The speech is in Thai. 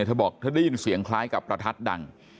เธอบอกเธอได้ยินเสียงคล้ายกับประทัดดัง